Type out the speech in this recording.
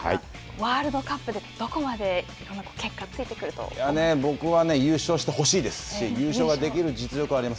ワールドカップでどこまで僕はね、優勝してほしいですし、優勝ができる実力はあります。